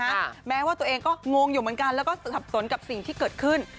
แม้ว่าตัวเองก็งงอยู่เหมือนกันแล้วก็สับสนกับสิ่งที่เกิดขึ้น